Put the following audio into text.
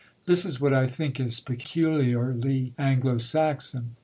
This is what I think is peculiarly Anglo Saxon.